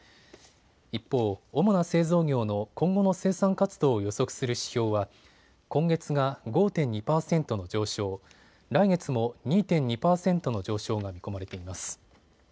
一方、主な製造業の今後の生産活動を予測する指標は今月が５．２％の上昇、来月も２．２％の上昇が見込まれています。